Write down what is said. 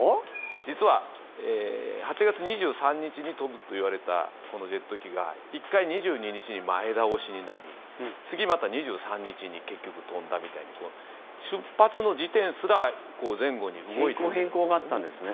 実は、８月２３日に飛ぶといわれたこのジェット機が１回、２２日に前倒しになり次また２３日に結局、飛んだみたいに出発の時点すら前後に動いていたんですね。